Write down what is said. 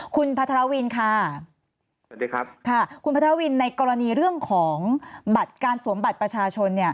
คุณพัทรวินค่ะคุณพัทรวินในกรณีเรื่องของการสวมบัตรประชาชน